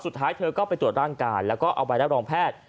สุดท้ายเธอก็ไปตรวจร่างกายแล้วก็เอาใบรับรองแพทย์